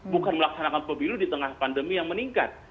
bukan melaksanakan pemilu di tengah pandemi yang meningkat